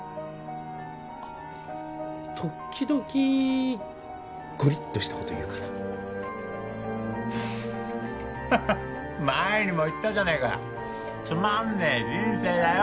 時々ゴリッとしたこと言うからふっハハ前にも言ったじゃねえかつまんねえ人生だよ